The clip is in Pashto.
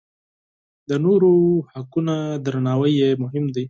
د نورو حقونه درناوی یې مهم دی.